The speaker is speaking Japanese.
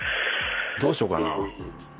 どうしようかな。